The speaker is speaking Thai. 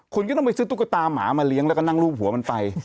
คุณก็ต้องไปซื้อตุ๊กตาหมามาเลี้ยงแล้วก็นั่งรูปหัวมันไป